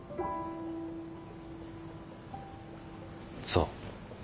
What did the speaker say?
そう。